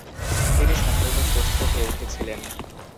তিনি সম্পূর্ণ সুস্থ হয়ে উঠেছিলেন।